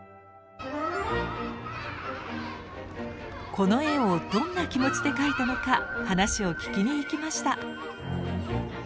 この絵をどんな気持ちで描いたのか話を聞きに行きました。